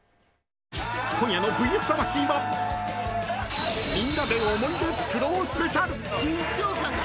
今夜の「ＶＳ魂」はみんなで思い出作ろうスペシャル。